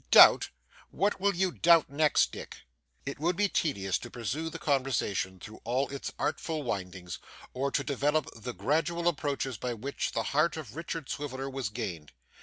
Doubt! What will you doubt next, Dick?' It would be tedious to pursue the conversation through all its artful windings, or to develope the gradual approaches by which the heart of Richard Swiveller was gained.